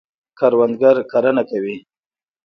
کروندګر کرنه کوي.